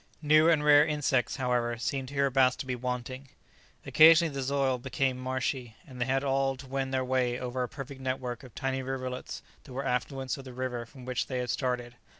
New and rare insects, however, seemed hereabouts to be wanting. Occasionally the soil became marshy, and they all had to wend their way over a perfect network of tiny rivulets that were affluents of the river from which they had started.